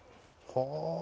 はあ。